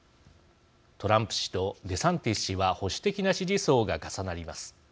トランプ氏とデサンティス氏は保守的な支持層が重なります。